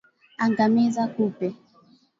Angamiza kupe